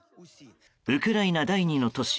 ウクライナ第２の都市